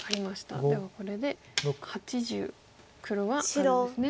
ではこれで８０黒はあるんですね。